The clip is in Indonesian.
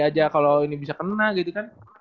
aja kalau ini bisa kena gitu kan